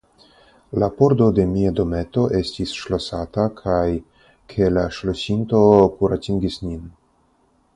La pordo de mia dometo estis ŝlosata kaj ke la ŝlosinto kuratingis nin.